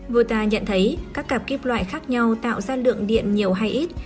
vota nhận thấy các cặp kim loại khác nhau tạo ra lượng điện nhiều hay ít